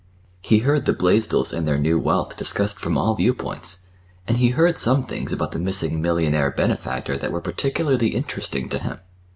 He heard the Blaisdells and their new wealth discussed from all viewpoints, and he heard some things about the missing millionaire benefactor that were particularly interesting—to him.